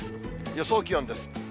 予想気温です。